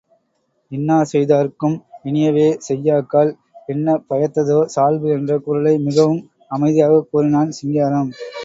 இன்னா செய்தார்க்கும் இனியவே செய்யாக்கால் என்ன பயத்ததோ சால்பு என்ற குறளை மிகவும் அமைதியாகக் கூறினான் சிங்காரம்.